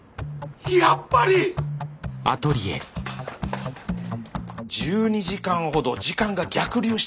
やっぱり！１２時間ほど時間が逆流したわけか。